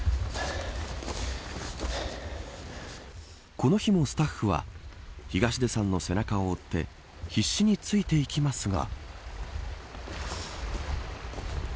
この日もスタッフは東出さんの背中を追って必死についていきますが。